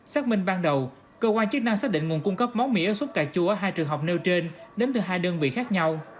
xác minh ban đầu cơ quan chức năng xác định nguồn cung cấp món mì ớt sốt cà chua ở hai trường hợp nêu trên đến từ hai đơn vị khác nhau